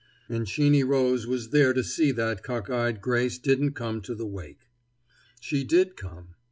And Sheeny Rose was there to see that cock eyed Grace didn't come to the wake. She did come.